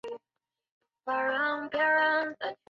去小樽的列车